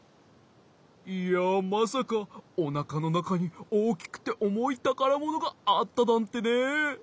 いやまさかおなかのなかにおおきくておもいたからものがあったなんてね。